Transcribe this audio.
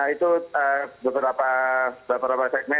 itu beberapa segmen